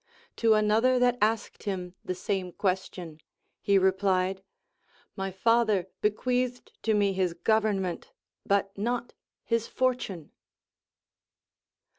To another that ask°d him the same question, he replied : My father bequeathed to me his government, but not his fortune.